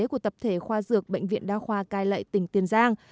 của tập thể khoa dược bệnh viện đa khoa cai lệ tỉnh tiền giang